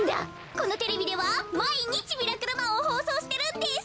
このテレビではまいにち「ミラクルマン」をほうそうしてるんです。